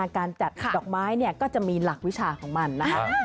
การจัดดอกไม้เนี่ยก็จะมีหลักวิชาของมันนะคะ